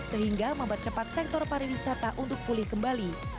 sehingga mempercepat sektor pariwisata